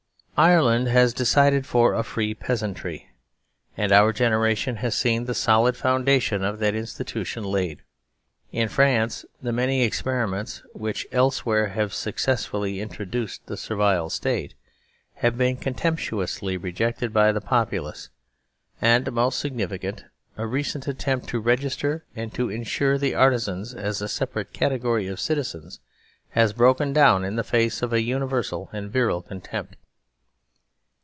Ireland has decided for a free peasantry, and our generation has seen the solid foundation of that insti tution laid. In France the many experiments which elsewhere have successfully introduced the Servile State have been contemptuously rejectedbythepopu lace, and (most significant!) a recent attempt to regis ter and to "insure" the artisans as a separate category of citizens has broken down in the face of an universal and a virile contempt.